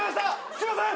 すいません！